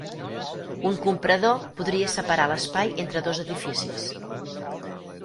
Un comprador podria separar l'espai entre dos edificis.